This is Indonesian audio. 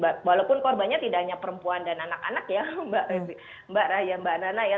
walaupun korbannya tidak hanya perempuan dan anak anak ya mbak raya mbak nana ya